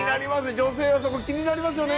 女性はそこ気になりますよね。